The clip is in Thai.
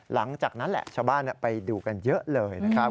หลังจากนั้นแหละชาวบ้านไปดูกันเยอะเลยนะครับ